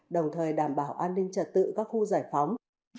đồng thời đảm bảo an ninh trật tự các khu giải phóng